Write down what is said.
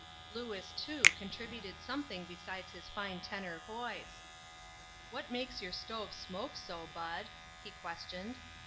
'" Louis, too, contributed something besides his fine tenor voice : "What makes your stove smoke so, Bud?" he questioned.